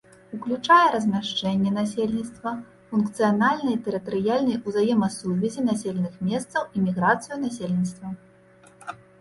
Уключае размяшчэнне насельніцтва, функцыянальныя тэрытарыяльныя ўзаемасувязі населеных месцаў і міграцыю насельніцтва.